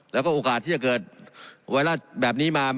แล้วก็โอกาสที่จะเกิดไวรัสแบบนี้มา